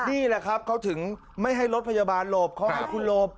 นี่แหละครับเขาถึงไม่ให้รถพยาบาลหลบเขาให้คุณหลบ